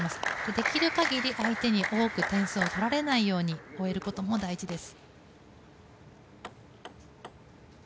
できる限り、相手に多く点数を取られないように終えることも大事です。